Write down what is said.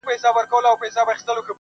لپاره دې ښار كي په جنگ اوسېږم_